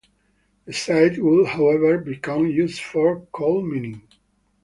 The site would, however, become used for coalmining.